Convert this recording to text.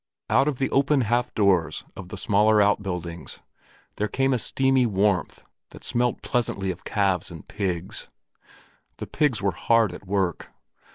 Out of the open half doors of the smaller outbuildings there came a steamy warmth that smelt pleasantly of calves and pigs. The pigs were hard at work.